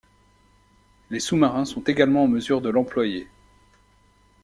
Les sous-marins sont également en mesure de l'employer.